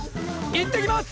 行ってきます！